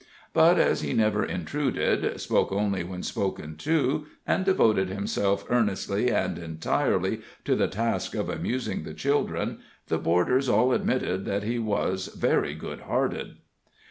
But as he never intruded, spoke only when spoken to, and devoted himself earnestly and entirely to the task of amusing the children, the boarders all admitted that he was very good hearted.